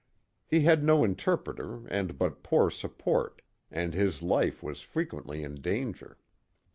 He had no interpreter and but poor support, and his life was frequently in danger.